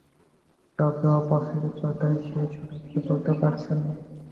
তবে অপছন্দের কথা সে সরাসরি বলতেও পারছে না।